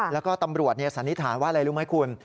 แล้วก็ตำรวจสันนิษฐานว่าอะไรรู้ไหมคุณ